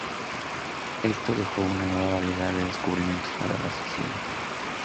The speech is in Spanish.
Esto dejó una nueva variedad de descubrimientos para la sociedad.